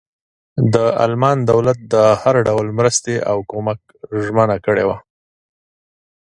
د المان دولت د هر ډول مرستې او کمک ژمنه کړې وه.